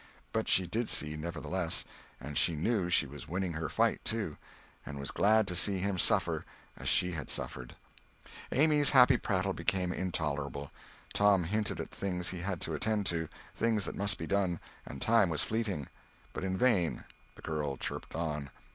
But she did see, nevertheless; and she knew she was winning her fight, too, and was glad to see him suffer as she had suffered. Amy's happy prattle became intolerable. Tom hinted at things he had to attend to; things that must be done; and time was fleeting. But in vain—the girl chirped on.